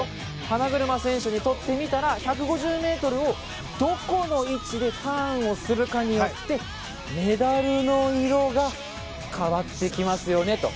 花車選手にとってみたら１５０ｍを、どこの位置でターンをするかによってメダルの色が変わってきますよねと。